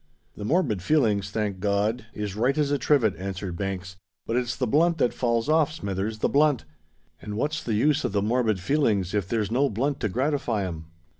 "The morbid feelings, thank God, is right as a trivet," answered Banks; "but it's the blunt that falls off, Smithers—the blunt! And what's the use of the morbid feelings if there's no blunt to gratify 'em?"